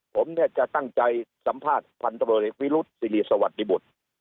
ผมจะตั้งใจสัมภาษณ์พันธบลฤษฐ์ศิริสวรรค์ดิบุษธิ์